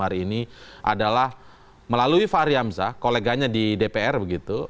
hari ini adalah melalui fahri hamzah koleganya di dpr begitu